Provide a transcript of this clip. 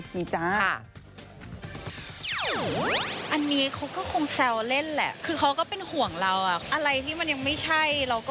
โอ้โหโอ้โหโอ้โหโอ้โห